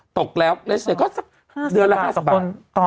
ตกแล้วก็สักเดือนละ๕๐บาท